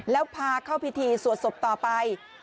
แล้วพาเข้าพิธีสวดศพต่อไป